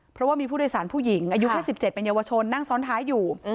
เพราะว่ามีผู้โดยสารผู้หญิงอายุแค่๑๗เป็นเยาวชนนั่งซ้อนท้ายอยู่